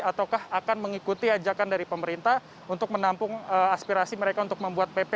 ataukah akan mengikuti ajakan dari pemerintah untuk menampung aspirasi mereka untuk membuat pp